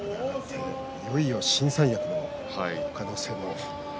あるいは新三役の可能性も。